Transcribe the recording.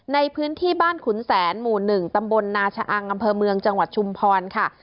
ในพื้นที่บ้านขุนแสนหมู่๑ตำบลนาชะอังอำเภอเมืองจังหวัดชุมพรค่ะ